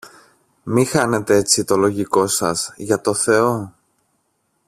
μη χάνετε έτσι το λογικό σας, για το Θεό!